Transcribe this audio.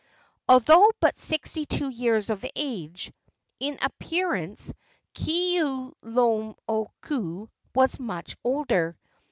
Although but sixty two years of age, in appearance Keaulumoku was much older.